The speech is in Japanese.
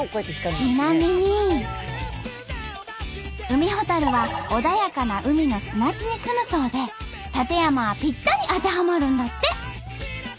ウミホタルは穏やかな海の砂地にすむそうで館山はぴったり当てはまるんだって。